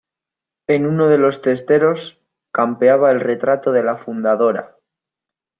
en uno de los testeros campeaba el retrato de la fundadora,